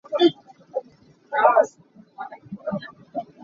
Ngaknu caah pa a hur tukmi pawng um cu ṭih a nung.